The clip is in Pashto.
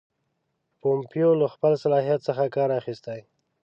پومپیو له خپل صلاحیت څخه کار اخیستی.